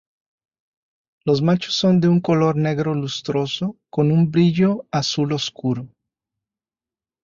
Los machos son de un color negro lustroso con un brillo azul oscuro.